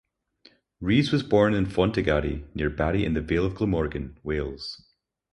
Rees was born in Fontegary, near Barry in the Vale of Glamorgan, Wales.